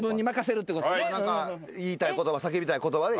言いたい言葉叫びたい言葉で。